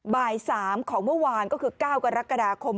บ่าย๓ของเมื่อวานก็คือ๙กรกฎาคม